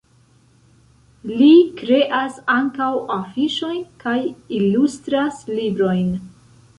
Li kreas ankaŭ afiŝojn kaj ilustras librojn.